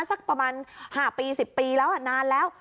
สักประมาณ๕ปี๑๐ปีแล้วนานแล้ว